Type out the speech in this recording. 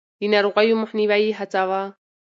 د ناروغيو مخنيوی يې هڅاوه.